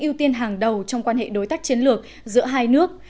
ưu tiên hàng đầu trong quan hệ đối tác chiến lược giữa hai nước